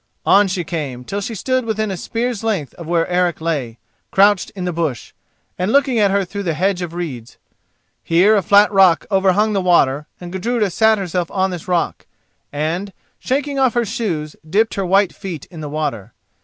On she came, till she stood within a spear's length of where Eric lay, crouched in the bush, and looking at her through the hedge of reeds. Here a flat rock overhung the water, and Gudruda sat herself on this rock, and, shaking off her shoes, dipped her white feet in the water.